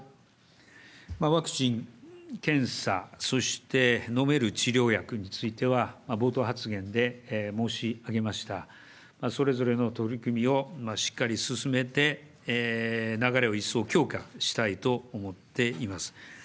ワクチン、検査、そして飲める治療薬については、冒頭発言で申し上げましたそれぞれの取り組みをしっかり進めて、流れを一層強化したいと思っています。